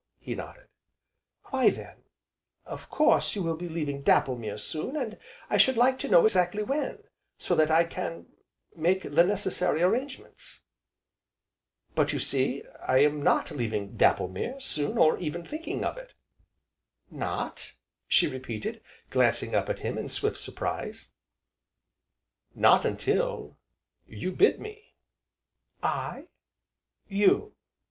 he nodded. "Why then of course you will be leaving Dapplemere soon, and I should like to know exactly when, so that I can make the necessary arrangements." "But you see, I am not leaving Dapplemere soon or even thinking of it." "Not?" she repeated, glancing up at him in swift surprise. "Not until you bid me." "I?" "You!"